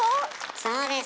そうです。